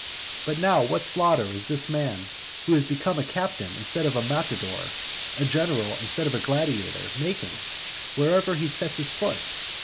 But now what slaughter is this man, who has thus become a captain instead of a matador, a general instead of a gladiator, making, wherever he sets his foot!